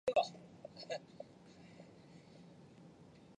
北方町为岐阜县的町。